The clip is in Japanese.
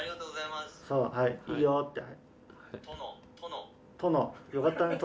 はいいいよって。